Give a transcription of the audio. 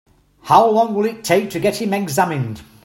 How long will it take to get him examined?